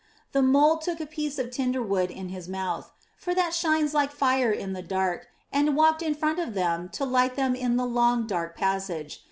The Mole took a piece of tinder wood in his mouth, for that shines like fire in the dark, and walked in front of them to light them in the long, dark passage.